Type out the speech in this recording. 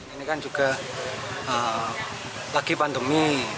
ini kan juga lagi pandemi